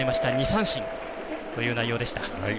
２三振という内容でした。